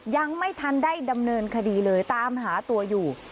ยังไม่ทันได้ดำเนินคดีเลยตามหาตัวอยู่